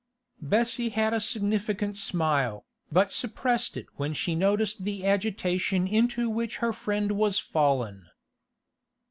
Bessie had a significant smile, but suppressed it when she noticed the agitation into which her friend was fallen.